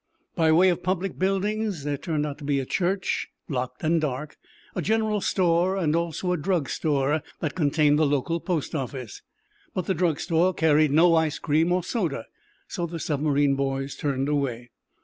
By way of public buildings there turned out to be a church, locked and dark, a general store and also a drug store that contained the local post office. But the drug store carried no ice cream or soda, so the submarine boys turned away.